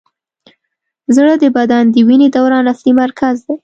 زړه د بدن د وینې دوران اصلي مرکز دی.